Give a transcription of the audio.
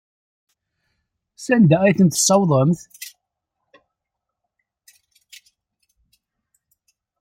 Sanda ay ten-tessawḍemt?